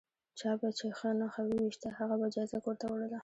چا به چې نښه وویشته هغه به جایزه کور ته وړله.